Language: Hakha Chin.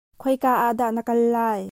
Khoi ka ah dah na kal lai ?